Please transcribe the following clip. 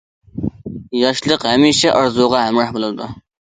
ياشلىق ھەمىشە ئارزۇغا ھەمراھ بولىدۇ.